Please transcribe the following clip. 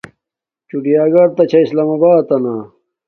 چیڑیا گھر تا چھا سلام آباتنہ